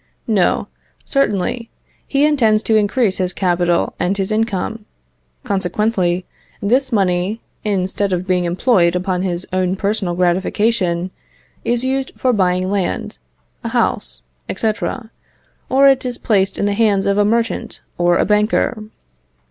No, certainly; he intends to increase his capital and his income; consequently, this money, instead of being employed upon his own personal gratification, is used for buying land, a house, &c., or it is placed in the hands of a merchant or a banker.